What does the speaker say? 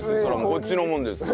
こっちのもんですよ。